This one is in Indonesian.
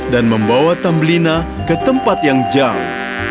dan membawa tambelina ke tempat yang jauh